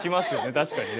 確かにね。